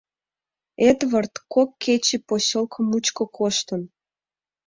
Эдвард кок кече посёлко мучко коштын.